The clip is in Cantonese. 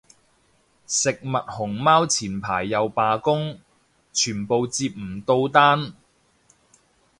食物熊貓前排又罷工，全部接唔到單